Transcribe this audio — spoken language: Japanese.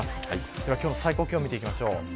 では今日の最高気温を見ていきましょう。